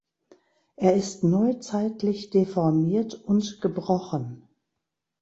Er ist neuzeitlich deformiert und gebrochen.